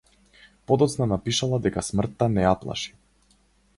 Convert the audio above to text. Подоцна напишала дека смртта не ја плаши.